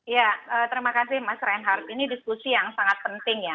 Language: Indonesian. ya terima kasih mas reinhardt ini diskusi yang sangat penting ya